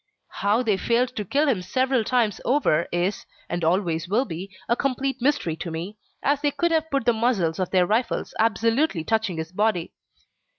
How they failed to kill him several times over is, and always will be, a complete mystery to me, as they could have put the muzzles of their rifles absolutely touching his body.